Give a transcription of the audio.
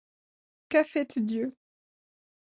Qu'a faites Dieu